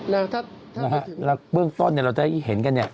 นะครับแล้วเบื้องต้นเราได้เห็นกัน